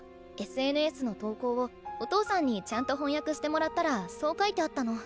ＳＮＳの投稿をお父さんにちゃんと翻訳してもらったらそう書いてあったの。